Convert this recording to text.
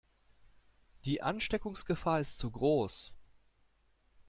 Die Ansteckungsgefahr ist zu groß.